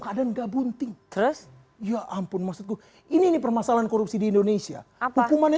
keadaan chabang ters sempurn maksudku ini permasalahan korupsi di indonesia apa kumannya